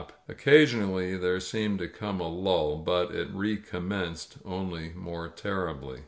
Occasionally there seemed to come a lull, but it recommenced only more terribly.